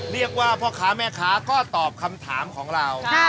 เรียกว่าพ่อค้าแม่ค้าก็ตอบคำถามของเรา